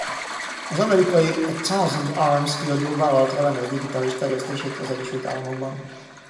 Az amerikai A Thousand Arms kiadó vállalta a lemez digitális terjesztését az Egyesült Államokban.